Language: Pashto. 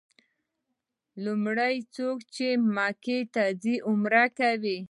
لومړی چې څوک مکې ته راځي عمره کوي.